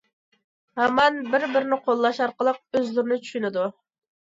ھامان بىر- بىرىنى قوللاش ئارقىلىق ئۆزلىرىنى چۈشىنىدۇ.